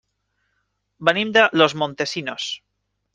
Venim de Los Montesinos.